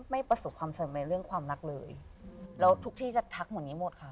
ไม่ประสบความสมในเรื่องความรักเลย